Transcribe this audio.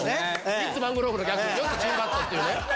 ミッツ・マングローブの逆でヨッツ・チンバットっていうね。